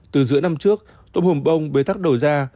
từ giữa năm trước tôm hùm bông bế tắc đầu ra